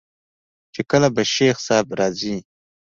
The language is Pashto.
چې کله به شيخ صاحب راځي.